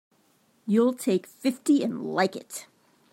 You'll take fifty and like it!